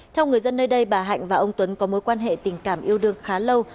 theo người dân nơi đây bà hạnh và ông tuấn có mối quan hệ tình cảm yêu đương khá lâu